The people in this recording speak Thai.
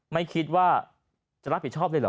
ไม่คิดว่าจะรับผิดชอบเลยเหรอ